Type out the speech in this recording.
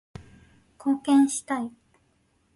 貢献したい